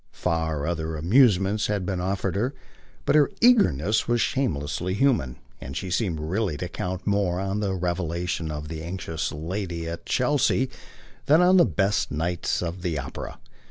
Far other amusements had been offered her, but her eagerness was shamelessly human, and she seemed really to count more on the revelation of the anxious lady at Chelsea than on the best nights of the opera.